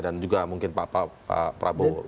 juga mungkin pak prabowo